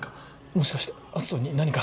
もしかして篤斗に何か。